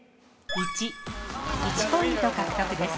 １ポイント獲得です。